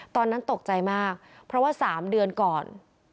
ตอนนั้นตกใจมากเพราะว่า๓เดือนก่อน